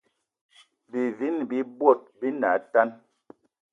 Bivini bi bot bi ne atane